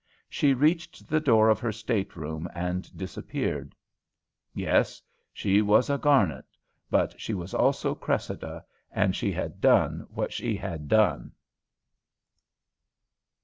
She reached the door of her stateroom and disappeared. Yes, she was a Garnet, but she was also Cressida; and she had done what she had done.